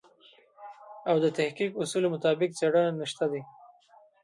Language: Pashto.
او د تحقیق اصولو مطابق څېړنه نشته دی.